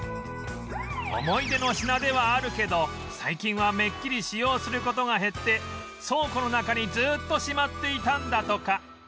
思い出の品ではあるけど最近はめっきり使用する事が減って倉庫の中にずっとしまっていたんだとか